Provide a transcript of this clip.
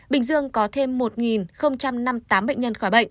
bình dương có thêm một năm mươi tám bệnh nhân khỏi bệnh